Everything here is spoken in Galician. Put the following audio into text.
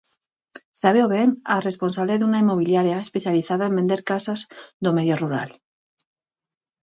Sabeo ben a responsable dunha inmobiliaria especializada en vender casas do medio rural.